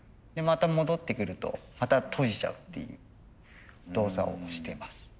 また戻ってくるとまた閉じちゃうっていう動作をしてます。